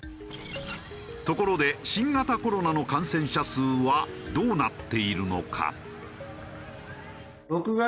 ところで新型コロナの感染者数はどうなっているのか？